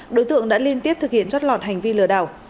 đối tượng đã liên tiếp thực hiện chót lọt hành vi lừa đảo